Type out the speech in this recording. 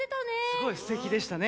すごいすてきでしたね。